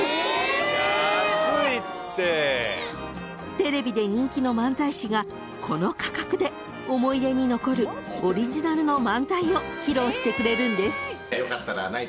［テレビで人気の漫才師がこの価格で思い出に残るオリジナルの漫才を披露してくれるんです］